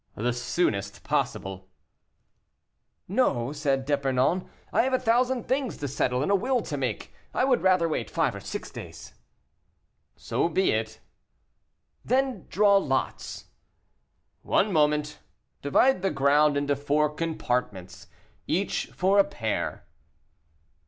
"The soonest possible." "No," said D'Epernon, "I have a thousand things to settle and a will to make; I would rather wait five or six days." "So be it." "Then draw lots." "One moment! divide the ground into four compartments, each for a pair."